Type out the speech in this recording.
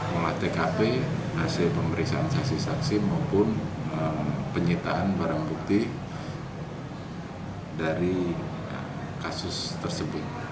olah tkp hasil pemeriksaan saksi saksi maupun penyitaan barang bukti dari kasus tersebut